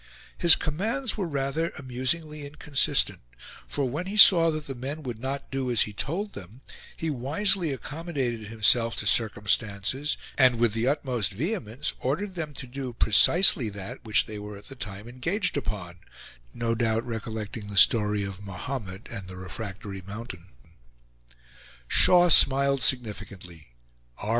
His commands were rather amusingly inconsistent; for when he saw that the men would not do as he told them, he wisely accommodated himself to circumstances, and with the utmost vehemence ordered them to do precisely that which they were at the time engaged upon, no doubt recollecting the story of Mahomet and the refractory mountain. Shaw smiled significantly; R.